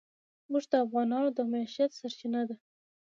اوښ د افغانانو د معیشت سرچینه ده.